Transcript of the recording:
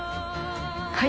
はい。